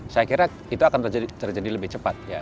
saya kira itu akan terjadi lebih cepat ya